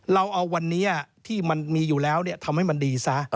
เราเอาวันนี้ที่มันมีอยู่แล้วทำให้มันดีซะ